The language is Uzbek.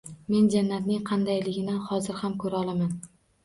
Men jannatning qandayligini hozir ham ko‘ra olaman